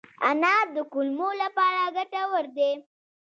انار د کولمو لپاره ګټور دی.